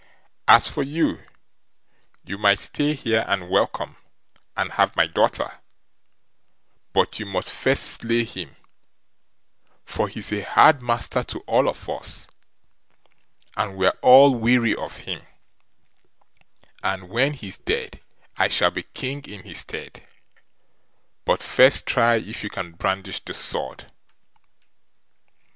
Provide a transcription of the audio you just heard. As for you, you might stay here and welcome, and have my daughter; but you must first slay him, for he's a hard master to all of us, and we're all weary of him, and when he's dead I shall be King in his stead; but first try if you can brandish this sword".